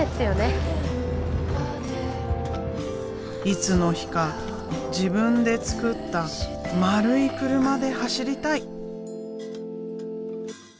いつの日か自分で作った丸い車で走りたい！